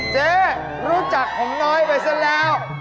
เจ๊รู้จักผมน้อยไปซะแล้ว